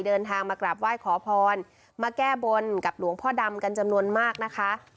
เดินทางมากราบไหว้ขอพรมาแก้บนกับหลวงพ่อดำกันจำนวนมากนะคะ